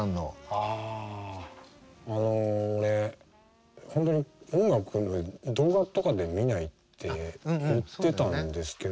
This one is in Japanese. あの俺本当に音楽動画とかで見ないって言ってたんですけど。